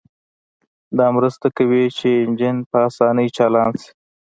دا مرسته کوي چې انجن په اسانۍ چالان شي